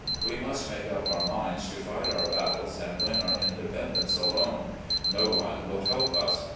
We must make up our minds to fight our battles and win our indepen dence alone. No one will help us.